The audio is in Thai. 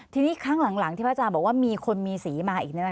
ทีนี้ครั้งหลังที่พระอาจารย์บอกว่ามีคนมีสีมาอีก